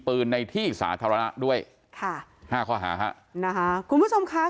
ปืนในที่สาธารณะด้วยค่ะห้าข้อหาฮะนะคะคุณผู้ชมค่ะ